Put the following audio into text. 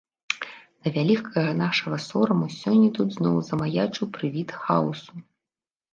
Да вялікага нашага сораму сёння тут зноў замаячыў прывід хаосу.